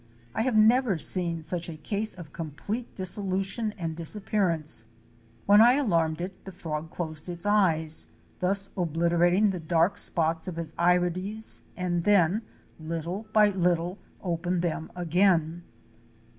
I have never seen such a case of complete dissolution and disappearance. When I alarmed it, the frog closed its eyes — thus obliterating the dark spots of its irides, and then little by little opened them again.